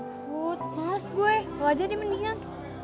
anjir males gue lo aja deh mendingan